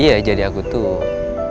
iya jadi aku tuh